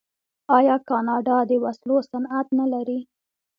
آیا کاناډا د وسلو صنعت نلري؟